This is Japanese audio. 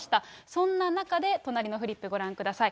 そんな中で隣のフリップご覧ください。